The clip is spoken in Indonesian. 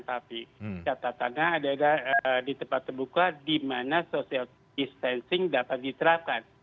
tapi catatannya adalah di tempat terbuka di mana social distancing dapat diterapkan